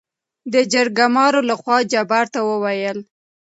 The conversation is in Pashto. دجرګمارو لخوا جبار ته وويل: